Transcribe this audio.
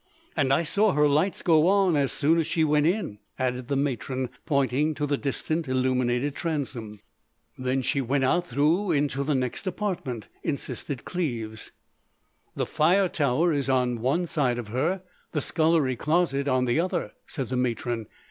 "And I saw her lights go on as soon as she went in," added the matron, pointing to the distant illuminated transom. "Then she went out through into the next apartment," insisted Cleves. "The fire tower is on one side of her; the scullery closet on the other," said the matron.